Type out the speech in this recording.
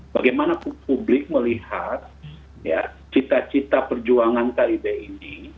bagaimana publik melihat cita cita perjuangan kib ini